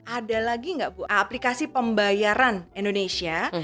ada lagi nggak bu aplikasi pembayaran indonesia